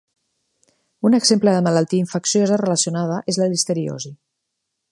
Un exemple de malaltia infecciosa relacionada és la listeriosi.